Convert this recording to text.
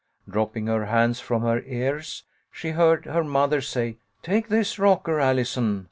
Dropping her hands from her ears, she heard her mother say : "Take this rocker, Allison.